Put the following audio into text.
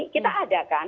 kita ada kan